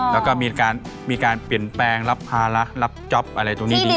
แล้วก็มีการเปลี่ยนแปลงรับภาระรับจ๊อปอะไรตรงนี้ดี